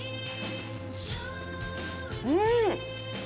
うん！